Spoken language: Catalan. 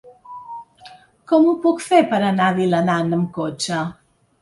Com ho puc fer per anar a Vilanant amb cotxe?